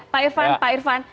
pak irvan pak irvan